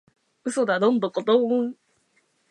嘘だドンドコドーン！